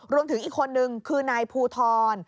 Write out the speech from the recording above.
รวมถึงอีกคนนึงคือนายภูทร